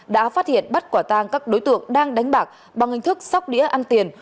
đã phát hiện bắt quả tang các đối tượng đang đánh bạc bằng hình thức sóc đĩa ăn tiền